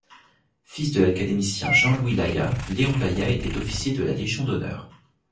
Fils de l’académicien Jean-Louis Laya, Léon Laya était officier de la Légion d'honneur.